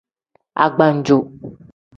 Agbanjo.